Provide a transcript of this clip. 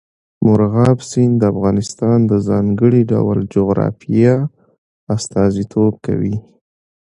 مورغاب سیند د افغانستان د ځانګړي ډول جغرافیه استازیتوب کوي.